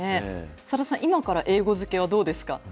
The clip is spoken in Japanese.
さださん、今から英語漬けはどうですか？